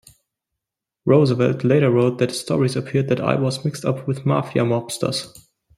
Roosevelt later wrote that Stories appeared that I was mixed up with Mafia mobsters.